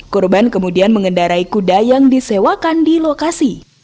korban kemudian mengendarai kuda yang disewakan di lokasi